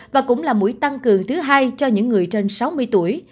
và cũng là mũi tăng cường thứ hai cho những người trên sáu mươi tuổi